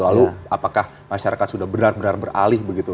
lalu apakah masyarakat sudah benar benar beralih begitu